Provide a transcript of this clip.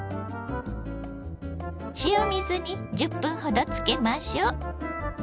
塩水に１０分ほどつけましょう。